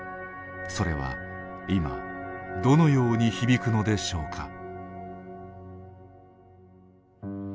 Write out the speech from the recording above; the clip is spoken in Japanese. それは今どのように響くのでしょうか。